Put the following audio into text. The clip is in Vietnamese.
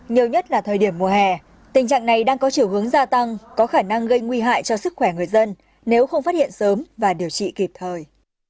nhiều nhất là thời điểm mùa hè tình trạng này đang có chiều hướng gia tăng có khả năng gây nguy hại cho sức khỏe người dân nếu không phát hiện sớm và điều trị kịp thời